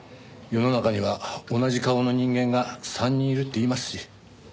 世の中には同じ顔の人間が３人いるっていいますし。